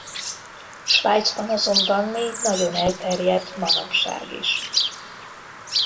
Svájcban azonban még nagyon elterjedt manapság is.